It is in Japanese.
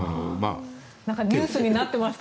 ニュースになってました。